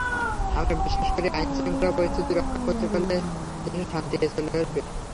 আমরা বিশ্বাস করি, আইনশৃঙ্খলা পরিস্থিতি রক্ষা করতে পারলে দেশ শান্তিতে চলবে।